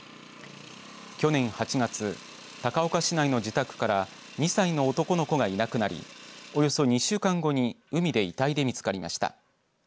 去年８月高岡市内の自宅から２歳の男の子がいなくなりおよそ２週間後に海で遺体で見つかりました。